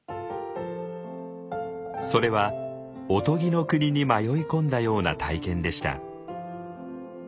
それはおとぎの国に迷い込んだような体験でした。